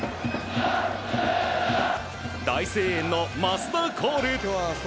大声援の益田コール！